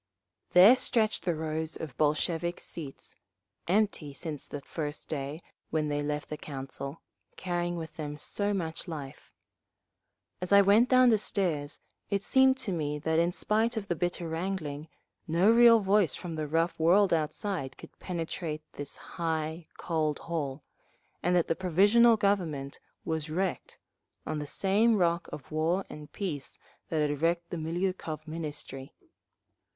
There stretched the rows of Bolshevik seats—empty since that first day when they left the Council, carrying with them so much life. As I went down the stairs it seemed to me that in spite of the bitter wrangling, no real voice from the rough world outside could penetrate this high, cold hall, and that the Provisional Government was wrecked—on the same rock of War and Peace that had wrecked the Miliukov Ministry….